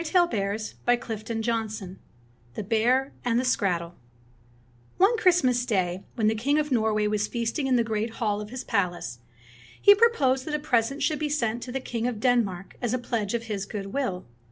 THE BEAR AND THE SKRATTEL' t THE BEAR AND THE SKRATTEL O NE Christmas Day, when the king of Norway was feasting in the great hall of his palace, he proposed that a present should be sent to the King of Denmark as a pledge of his good will.